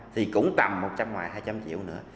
thì cũng tầm một trăm linh ngoài hai trăm linh triệu nữa